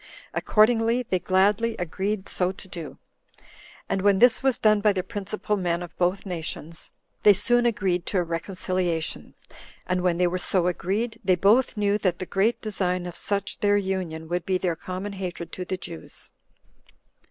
Accordingly, they gladly agreed so to do; and when this was done by the principal men of both nations, they soon agreed to a reconciliation; and when they were so agreed, they both knew that the great design of such their union would be their common hatred to the Jews.